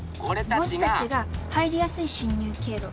ボスたちが入りやすい侵入経路。